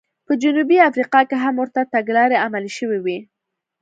په جنوبي افریقا کې هم ورته تګلارې عملي شوې وې.